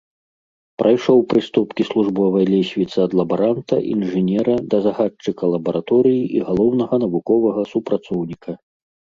Прайшоў прыступкі службовай лесвіцы ад лабаранта, інжынера да загадчыка лабараторыі і галоўнага навуковага супрацоўніка.